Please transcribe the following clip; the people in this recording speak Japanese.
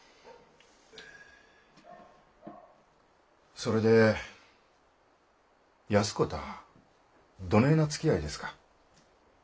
それで安子たあどねえなつきあいですか？